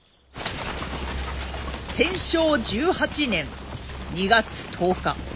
天正１８年２月１０日